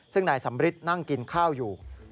ซึ่งนายสำริทนั่งกินข้าวอยู่